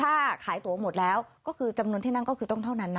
ถ้าขายตัวหมดแล้วก็คือจำนวนที่นั่งก็คือต้องเท่านั้นนะ